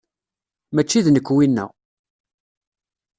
Mačči d nekk winna.